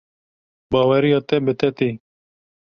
Baweriya te bi te tê.